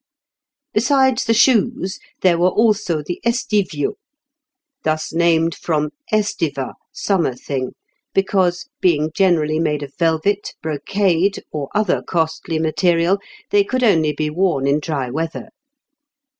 "Besides the shoes, there were also the estiviaux, thus named from. estiva (summer thing), because, being generally made of velvet, brocade, or other costly material, they could only be worn in dry weather.